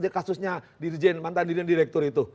kasusnya dirjen mantan dirjen direktur itu